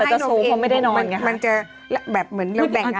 พอจะโซงผอมแล้วก็ไม่ได้นอน